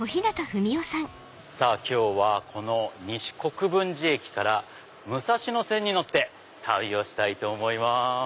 さぁ今日はこの西国分寺駅から武蔵野線に乗って旅をしたいと思います。